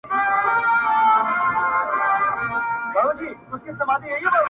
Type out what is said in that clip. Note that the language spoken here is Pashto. په چا کور او په چا کلی په چا وران سي لوی ښارونه,